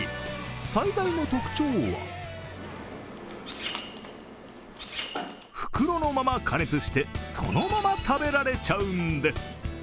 最大の特徴は袋のまま加熱して、そのまま食べられちゃうんです。